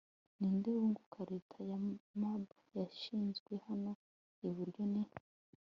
Ninde wunguka leta ya Mab yashyizwe hano iburyo ni